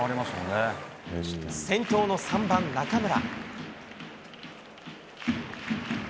先頭の３番中村。